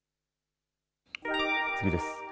次です。